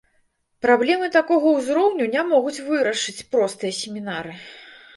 Праблемы такога ўзроўню не могуць вырашыць простыя семінары.